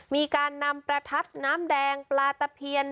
มีการนำประทัดน้ำแดงปลาตะเพียน